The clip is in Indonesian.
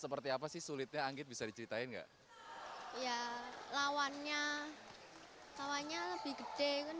seperti apa sih sulitnya anggit bisa diceritain nggak ya lawannya kawannya lebih gede kan